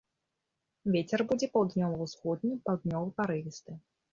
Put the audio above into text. Вецер будзе паўднёва-ўсходні, паўднёвы парывісты.